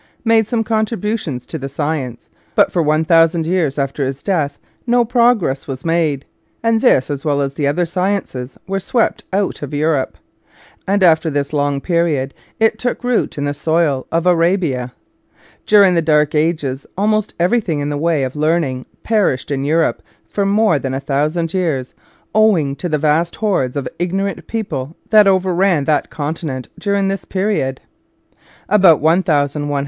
made some contributions to the science, but for 1,000 years after his death no progress was made, and this as well as the other sciences were swept out of Europe ; and after this long period it took root in the soil of Arabia. Dur ing the Dark Ages almost everything in the way of learning perished in Europe for more than 1,000 years, owing to the vast hordes of ignorant people that overran that continent during this period. About 1,100 A.D.